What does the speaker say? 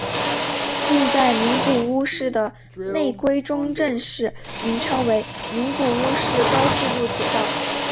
另在名古屋市的内规中正式名称为名古屋市高速度铁道。